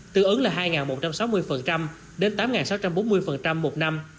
tương ứng là hai một trăm sáu mươi đến tám sáu trăm bốn mươi một năm